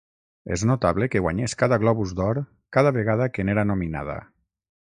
És notable que guanyés cada Globus d'Or cada vegada que n'era nominada.